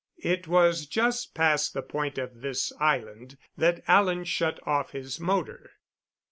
It was just past the point of this island that Alan shut off his motor.